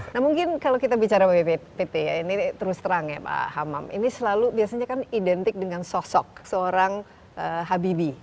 nah mungkin kalau kita bicara bpp ya ini terus terang ya pak hamam ini selalu biasanya kan identik dengan sosok seorang habibi